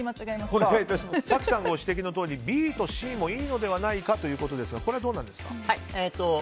早紀さんがご指摘のとおりＢとＣもいいのではないかということですが、これはどうなんですか。